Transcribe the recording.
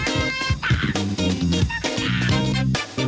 ให้เยอะ